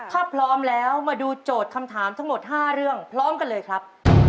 ถ้าพร้อมแล้วมาดูโจทย์คำถามทั้งหมด๕เรื่องพร้อมกันเลยครับ